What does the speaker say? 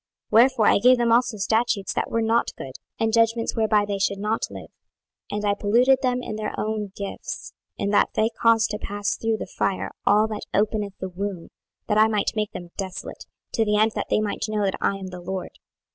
26:020:025 Wherefore I gave them also statutes that were not good, and judgments whereby they should not live; 26:020:026 And I polluted them in their own gifts, in that they caused to pass through the fire all that openeth the womb, that I might make them desolate, to the end that they might know that I am the LORD.